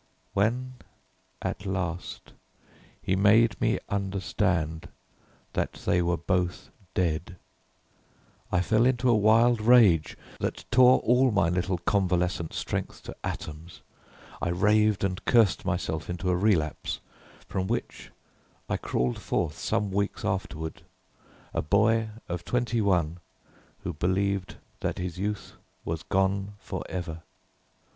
When at last he made me understand that they were both dead, I fell into a wild rage that tore all my little convalescent strength to atoms. I raved and cursed myself into a relapse, from which I crawled forth some weeks afterward a boy of twenty one who believed that his youth was gone for ever.